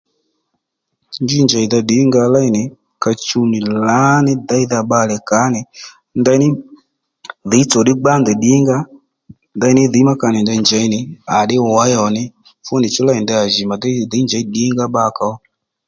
Njí njèydha ddǐnga léy nì ka chuw nì lǎní déydha bbalè kàó nì ndeyní dhǐy tsò ddí gbá ndèy ddìnga ó ndèy ní dhǐy má ka nì dey njěy nì à ddí wěy ò ní fú nì chú léy nì ndey à jì mà dey dhǐy njèy ddinga ó bbakà ó